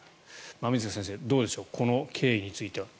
馬見塚先生、どうでしょうこの経緯については。